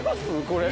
これ。